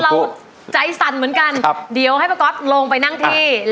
ทำเราใจสั่นเหมือนกันครับเดี๋ยวให้ประกอบลงไปนั่งที่ลงไปสงบ